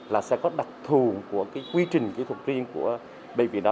là sẽ có đặc thù của cái quy trình kỹ thuật riêng của bệnh viện đó